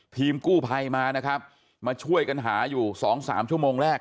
ทีมกู้ไพ่มานะครับมาช่วยกันหาอยู่๒๓ชั่วโมงแรก